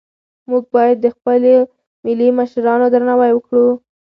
موږ باید د خپلو ملي مشرانو درناوی وکړو.